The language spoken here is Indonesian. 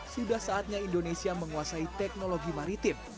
sudah saatnya indonesia menguasai teknologi maritim